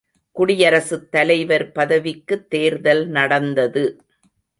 குடியரசுத் தலைவர் பதவிக்குத் தேர்தல் நடந்தது!